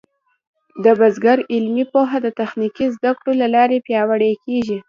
د بزګر علمي پوهه د تخنیکي زده کړو له لارې پیاوړې کېږي.